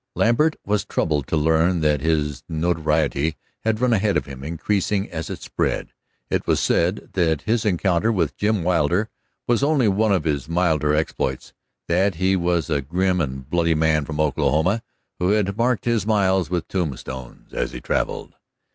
Lambert was troubled to learn that his notoriety had run ahead of him, increasing as it spread. It was said that his encounter with Jim Wilder was only one of his milder exploits; that he was a grim and bloody man from Oklahoma who had marked his miles with tombstones as he traveled.